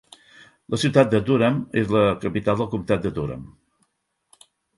La ciutat de Durham és la capital del comtat de Durham.